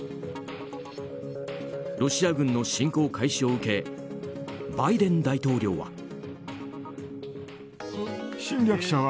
ロシア軍の侵攻開始を受けバイデン大統領は。